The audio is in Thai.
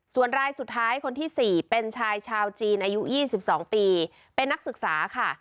ส่วนรายสุดท้ายคนที่๔เป็นชายชาวจีนอายุ๒๒ปีเป็นนักศึกษาค่ะ